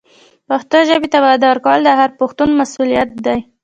پښتو ژبې ته وده ورکول د هر پښتون مسؤلیت دی.